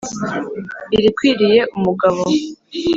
ilikwiliye umugabo